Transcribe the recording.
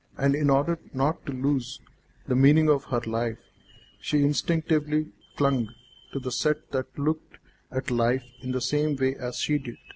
And, in order not to lose the meaning of her life, she instinctively clung to the set that looked at life in the same way as she did.